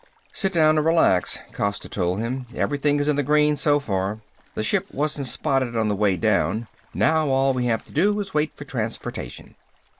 "Sit down and relax," Costa told him. "Everything is in the green so far. The ship wasn't spotted on the way down. Now all we have to do is wait for transportation."